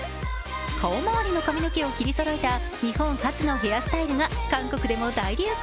顔まわりの髪の毛を切りそろえた日本発のヘアスタイルが韓国でも大流行。